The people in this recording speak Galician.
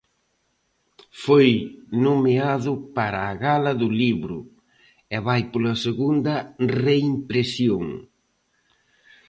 Foi nomeado para a Gala do Libro, e vai pola segunda reimpresión.